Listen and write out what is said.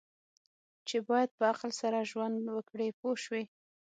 چې باید په عقل سره ژوند وکړي پوه شوې!.